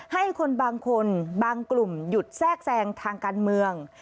ให้คนบางคนบางกลุ่มหยุดแทรกแทรงทางการเมือง